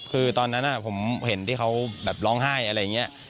คือตอนนั้นผมเห็นที่เขาแบบร้องไห้อะไรอย่างนี้